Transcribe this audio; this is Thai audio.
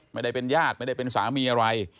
ไม่ได้เป็นญาติไม่ได้เป็นสามีอะไร